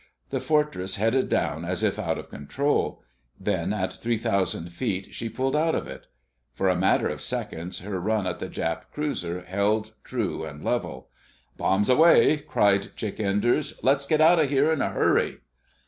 The Fortress headed down as if out of control. Then, at three thousand feet she pulled out of it. For a matter of seconds her run at the Jap cruiser held true and level. "Bombs away!" cried Chick Enders. "Let's get out of here in a hurry!"